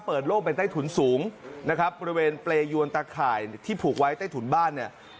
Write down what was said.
โล่งเป็นใต้ถุนสูงนะครับบริเวณเปรยวนตะข่ายที่ผูกไว้ใต้ถุนบ้านเนี่ย